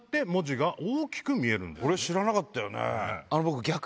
これ知らなかったよね。